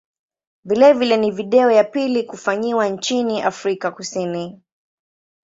Vilevile ni video ya pili kufanyiwa nchini Afrika Kusini.